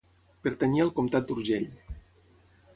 Pertanyia al comtat d'Urgell.